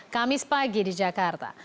kamis pagi di jakarta